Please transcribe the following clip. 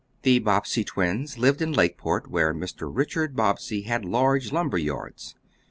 The Bobbsey twins lived at Lakeport, where Mr. Richard Bobbsey had large lumber yards.